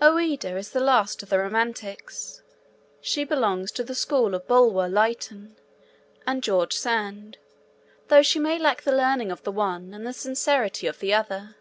Ouida is the last of the romantics. She belongs to the school of Bulwer Lytton and George Sand, though she may lack the learning of the one and the sincerity of the other.